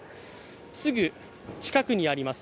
すぐ近くにあります